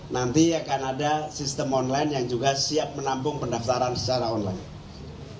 nanti akan ada sistem online yang juga siap menampung pendaftaran secara online